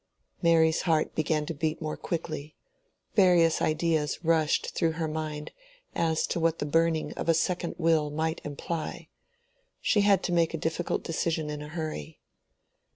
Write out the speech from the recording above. Mary's heart began to beat more quickly. Various ideas rushed through her mind as to what the burning of a second will might imply. She had to make a difficult decision in a hurry.